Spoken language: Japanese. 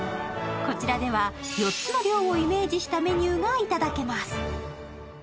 こちらでは４つの寮をイメージしたメニューがいただけます。